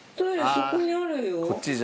そこにあるよ。